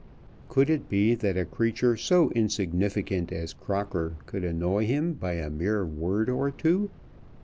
Could it be that a creature so insignificant as Crocker could annoy him by a mere word or two?